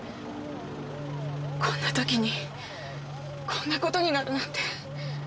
こんな時にこんな事になるなんて。